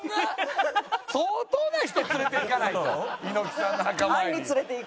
相当な人連れていかないと猪木さんの墓参り。